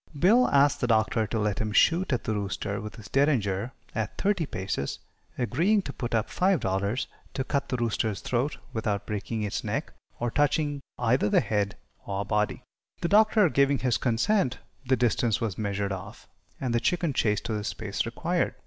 Bill asked the Doctor to let him shoot at the rooster with his derringer at thirty paces, agreeing to put up $5 to cut the rooster's throat without breaking its neck or touching either the head or body. The Doctor, giving his consent, the distance was measured off, and the chicken chased to the space required.